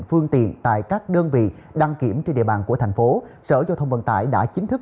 phương tiện tại các đơn vị đăng kiểm trên địa bàn của thành phố sở giao thông vận tải đã chính thức